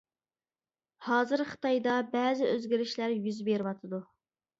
ھازىر خىتايدا بەزى ئۆزگىرىشلەر يۈز بېرىۋاتىدۇ.